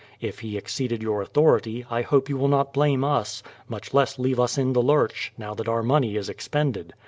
If he exceeded your authority I hope you will not blame us, much less leave us in the lurch, now that our money is ex pended.